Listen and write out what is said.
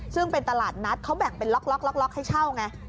ซึ่งเป็นตลาดนัดเขาแบ่งเป็นล็อกให้เช่าไง